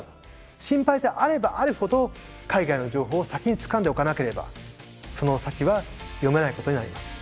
心配であればあるほど海外の情報を先につかんでおかなければその先は読めないことになります。